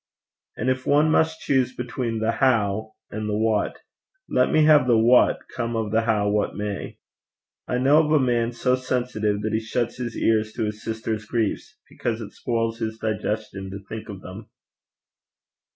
And if one must choose between the how and the what, let me have the what, come of the how what may. I know of a man so sensitive, that he shuts his ears to his sister's griefs, because it spoils his digestion to think of them.